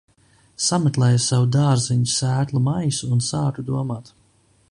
Sameklēju savu dārzeņu sēklu maisu un sāku domāt.